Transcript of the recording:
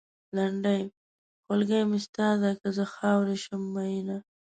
لنډۍ؛ خولګۍ مې ستا ده؛ که زه خاورې شم مينه